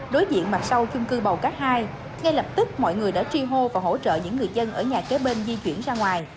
đối diện mặt sau chung cư bầu cát hai ngay lập tức mọi người đã tri hô và hỗ trợ những người dân ở nhà kế bên di chuyển ra ngoài